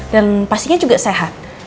dan pastinya juga sehat